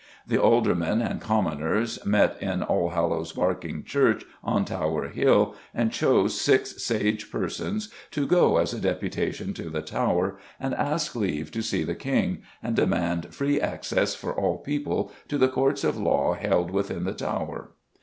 The "aldermen and commoners met in Allhallows Barking Church, on Tower Hill, and chose six sage persons to go as a deputation to the Tower, and ask leave to see the King, and demand free access for all people to the courts of law held within the Tower."